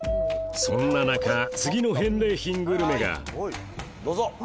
そんな中次の返礼品グルメがどうぞ！